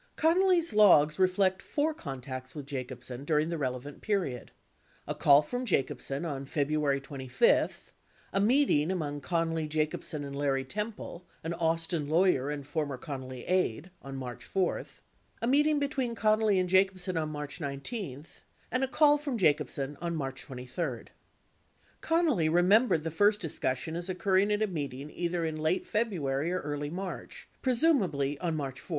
Connally's logs reflect four contacts with Jacobsen during the relevant period — a call from Jacobsen on February 25, a meeting among Connally, Jacobsen, and Larry Temple (an Austin lawyer and former Connally aide) on March 4, a meeting between Connally and Jacobsen on March 19 and a call from Jacobsen on March 23. Connally remembered the first discussion as occurring at a meeting either in late February or early March, presumably on March 4.